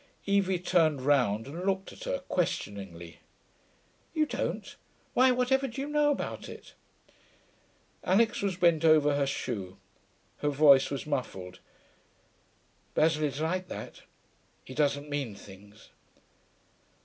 Evie turned round and looked at her, questioningly. 'You don't? Why, whatever do you know about it?' Alix was bent over her shoe; her voice was muffled. 'Basil is like that. He doesn't mean things....'